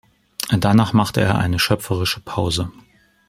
Danach machte er eine schöpferische Pause.